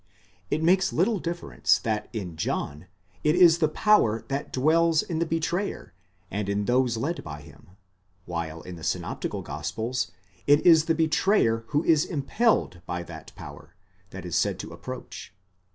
It makes little difference that in John it is the power that dwells in the betrayer, and in those led by him, while, in the synoptical gospels, it is the betrayer who is impelled by that power, that is said to approach.